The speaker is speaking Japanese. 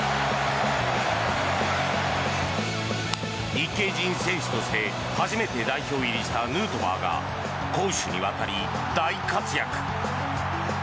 日系人選手として初めて代表入りしたヌートバーが攻守にわたり大活躍。